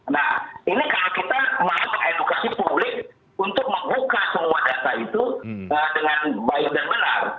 nah ini kalau kita mau edukasi publik untuk membuka semua data itu dengan baik dan benar